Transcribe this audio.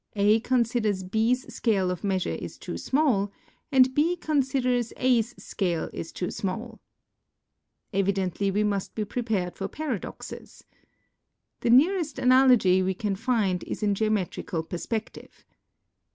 A considers B's scale of measure is too small and B considers A's scale is too small. Evidently we must be prepared for paradoxes. The nearest analogy we can find is in geometrical perspective.